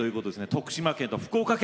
徳島県と福岡県。